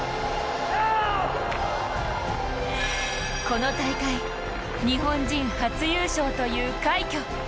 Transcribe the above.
この大会日本人初優勝という快挙。